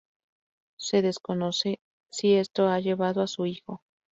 Se desconoce si esto ha llevado a su hijo.